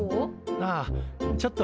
ああちょっと